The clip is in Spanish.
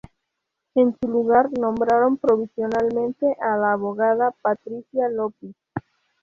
En su lugar nombraron provisionalmente a la abogada Patricia Llopis.